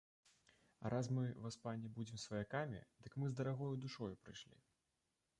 А раз мы, васпане, будзем сваякамі, дык мы з дарагою душою прыйшлі.